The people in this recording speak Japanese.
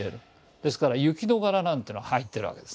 ですから雪の柄なんての入ってるわけですね。